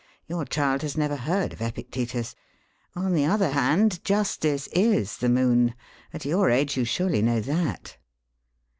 Your child has never heard of Epictetus. On the other hand, justice is the moon. At your age you surely know that.